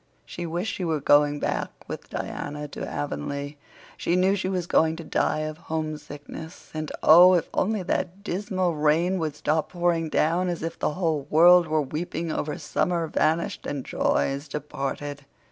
She wished she were going back with Diana to Avonlea; she knew she was going to die of homesickness. And oh, if only that dismal rain would stop pouring down as if the whole world were weeping over summer vanished and joys departed!